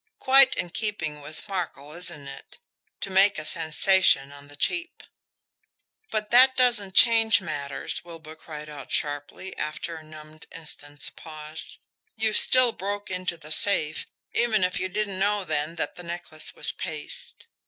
"Quite in keeping with Markel, isn't it to make a sensation on the cheap?" "But that doesn't change matters!" Wilbur cried out sharply, after a numbed instant's pause. "You still broke into the safe, even if you didn't know then that the necklace was paste."